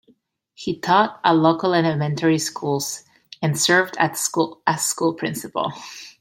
He taught at local elementary schools and served as a school principal.